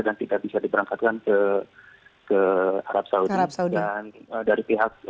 dan tidak bisa diberangkatkan ke arab saudi